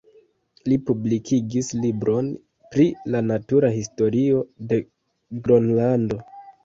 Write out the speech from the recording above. Li publikigis libron pri la natura historio de Gronlando.